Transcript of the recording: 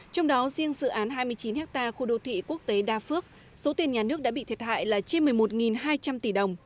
trong đó riêng dự án hai mươi chín ha khu đô thị quốc tế đa phước số tiền nhà nước đã bị thiệt hại là trên một mươi một hai trăm linh tỷ đồng